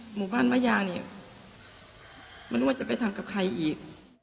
หมู่บ้านมะยามันว่าจะไปทำกับใครอีก